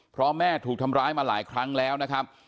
เพราะแม่ถูกทำร้ายมาหลายครั้งแล้วนะครับ